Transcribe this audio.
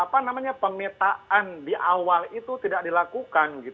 ya karena pemetaan di awal itu tidak dilakukan